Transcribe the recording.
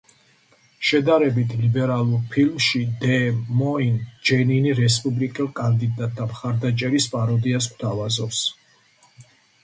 შედარებით ლიბერალურ ფილმში „დე მოინ“ ჯენინი რესპუბლიკელ კანდიდატთა მხარდამჭერების პაროდიას გვთავაზობს.